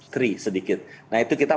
tri sedikit nah itu kita